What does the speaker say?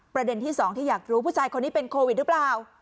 ประเด็นที่สองที่อยากรู้ผู้ชายคนนี้เป็นโควิดหรือเปล่า